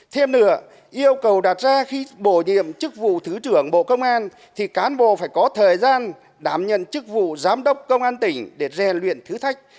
thêm nữa yêu cầu đặt ra khi bổ nhiệm chức vụ thứ trưởng bộ công an thì cán bộ phải có thời gian đảm nhận chức vụ giám đốc công an tỉnh để rèn luyện thử thách